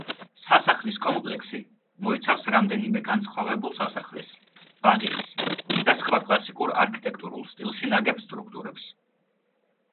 სასახლის კომპლექსი მოიცავს რამდენიმე განსხვავებულ სასახლეს, ბაღებს და სხვა კლასიკურ არქიტექტურულ სტილში ნაგებ სტრუქტურებს.